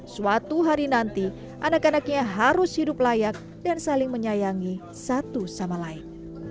suatu hari nanti anak anaknya harus mempunyai keberadaan yang baik